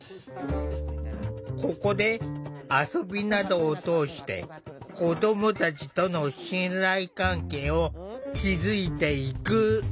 ここで遊びなどを通して子どもたちとの信頼関係を築いていく。